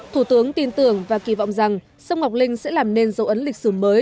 thủ tướng tin tưởng và kỳ vọng rằng sông ngọc linh sẽ làm nên dấu ấn lịch sử mới